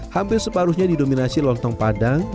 hampir separuhnya didominasi lontong padang